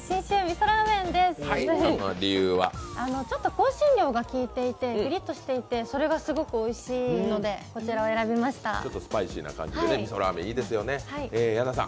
ちょっと香辛料が効いていてピリッとしていてそれがすごくおいしいのでこちらを選びました。